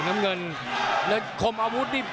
น้ำเงินแล้วคมอาวุธนี่